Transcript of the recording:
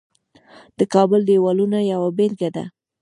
د کابل دیوالونه یوه بیلګه ده